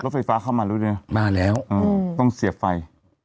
ไฟฟ้าเข้ามาเรื่อยนานแล้วต้องเสียบไฟ